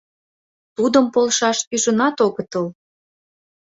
Тудым полшаш ӱжынат огытыл.